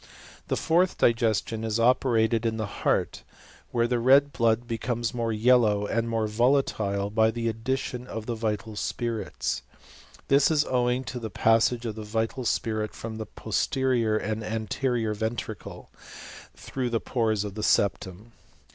The fourth digestion is operated yg^^ the heart, where the red blood becomes more yelloi|^ and more volatile by the addition of the vital spiritjf^^j This is owing to the passage of the vital spirit froq^'ij the posterior to the anterior ventricle, through tlM^«^ pores of the septum.